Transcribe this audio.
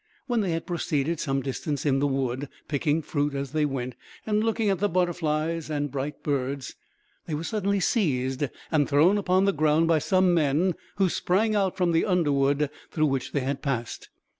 When they had proceeded some distance in the wood, picking fruit as they went, and looking at the butterflies and bright birds, they were suddenly seized and thrown upon the ground by some men, who sprang out from the underwood through which they had passed.